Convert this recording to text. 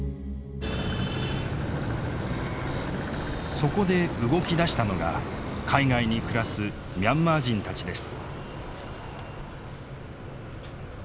そこで動きだしたのが海外に暮らすミャンマー人たちです。